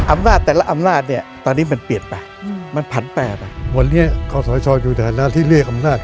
อำนาจแต่ละอำนาจตอนนี้มันเปลี่ยนไปมันผัดแปลไป